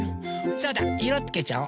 そうだいろつけちゃおう。